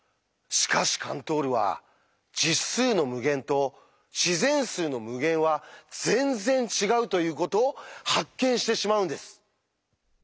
しかしカントールは「実数の無限」と「自然数の無限」は全然違うということを発見してしまうんです！